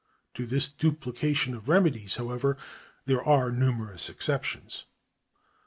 To this duplication of remedies, however, there are numerous ex ceptions.